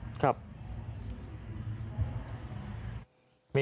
โอ้โหภาพจากกล้องวงจรปิด